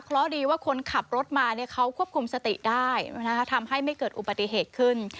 เพราะดีว่าคนขับรถมาเขาควบคุมสติได้ทำให้ไม่เกิดอุบัติเหตุขึ้น